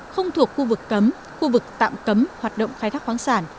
không thuộc khu vực cấm khu vực tạm cấm hoạt động khai thác khoáng sản